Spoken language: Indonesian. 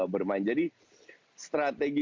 bermain jadi strategi